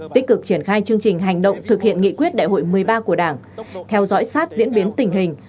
tích cực triển khai chương trình hành động thực hiện nghị quyết đại hội một mươi ba của đảng theo dõi sát diễn biến tình hình